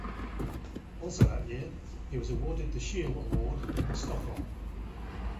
Also that year, he was awarded the Scheele Award in Stockholm.